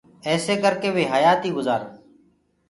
ايسي ڪر ڪي وي حيآتي گُجارن۔